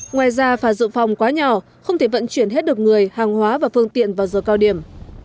ngoài ra phà dự phòng quá nhỏ không thể vận chuyển hết được người hàng hóa và phương tiện vào giờ cao điểm